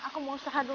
aku mau usaha dulu